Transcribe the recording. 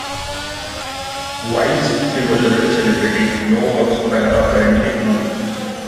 Whilst she was a real celebrity, no works by her are currently known.